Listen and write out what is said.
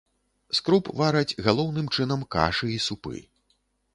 З круп вараць галоўным чынам кашы і супы.